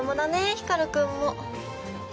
光君も。